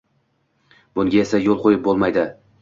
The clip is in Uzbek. Bunga esa, yo`l qo`yib bo`lmaydi